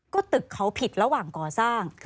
ก็ตึกเขาผิดระหว่างก่อสร้าง